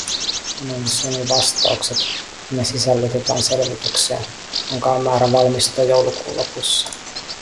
Analysoimme vastaukset, ja ne sisällytetään selvitykseen, jonka on määrä valmistua joulukuun lopussa.